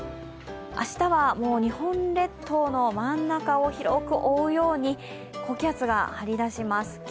明日は日本列島の真ん中を広く覆うように高気圧が張り出します。